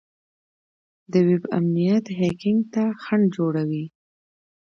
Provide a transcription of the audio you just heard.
د ویب امنیت هیکینګ ته خنډ جوړوي.